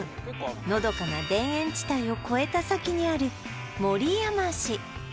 のどかな田園地帯を越えた先にある守山市